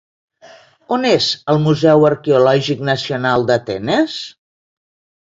On és el Museu Arqueològic Nacional d'Atenes?